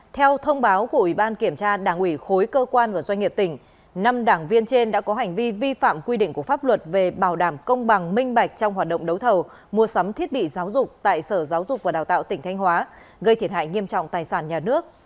theo thông báo của ủy ban kiểm tra đảng ủy khối cơ quan và doanh nghiệp tỉnh năm đảng viên trên đã có hành vi vi phạm quy định của pháp luật về bảo đảm công bằng minh bạch trong hoạt động đấu thầu mua sắm thiết bị giáo dục tại sở giáo dục và đào tạo tỉnh thanh hóa gây thiệt hại nghiêm trọng tài sản nhà nước